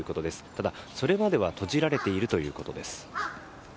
ただ、それまでは閉じられているということです。